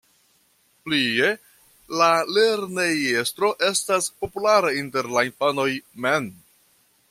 Plie, la lernejestro estas populara inter la infanoj mem.